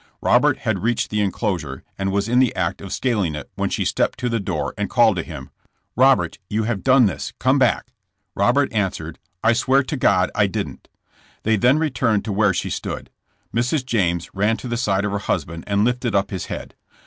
Robert had reached the enclosure and was in the act of scaling it when she stepped to the door and called to him: *' Robert, you have done this, come back." Robert answered: *'I swear to God I didn't." They then returned to where she stood. Mrs. James ran to the side of her husband and lifted up his head.